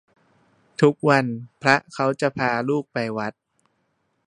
ทุกวันพระเขาจะพาลูกไปวัด